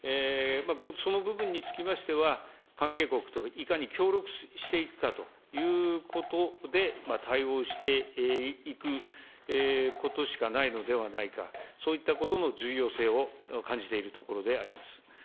その部分につきましては、関係国といかに協力していくかということで、対応していくことしかないのではないか、そういったことの重要性を感じているところであります。